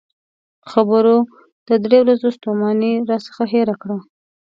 خبرو د درې ورځو ستومانۍ راڅخه هېره کړه.